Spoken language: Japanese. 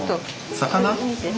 魚。